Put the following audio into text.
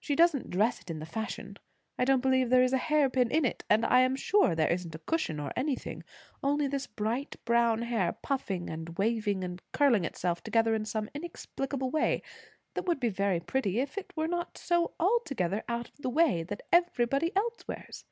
She don't dress it in the fashion; I don't believe there is a hairpin in it, and I am sure there isn't a cushion, or anything; only this bright brown hair puffing and waving and curling itself together in some inexplicable way, that would be very pretty if it were not so altogether out of the way that everybody else wears.